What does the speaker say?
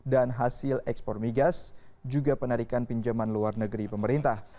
dan hasil ekspor migas juga penarikan pinjaman luar negeri pemerintah